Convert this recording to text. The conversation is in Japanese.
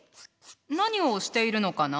何をしているのかな？